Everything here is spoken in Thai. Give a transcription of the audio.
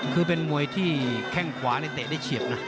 คือเป็นมวยที่แข้งขวาเตะได้เฉียบนะ